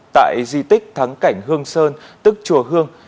tại di tích thắng cảnh hương sơn tức chùa hương